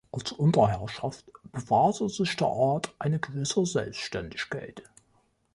Als Unterherrschaft bewahrte sich der Ort eine gewisse Selbständigkeit.